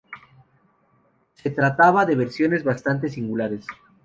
Se trataba de versiones bastante singulares.